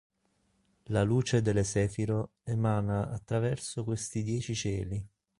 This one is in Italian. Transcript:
La luce delle Sefirot emana attraverso questi Dieci Cieli.